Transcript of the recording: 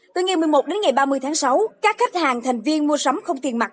từ ngày một mươi một đến ngày ba mươi tháng sáu các khách hàng thành viên mua sắm không tiền mặt